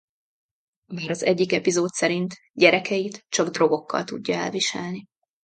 Bár az egyik epizód szerint gyerekeit csak drogokkal tudja elviselni.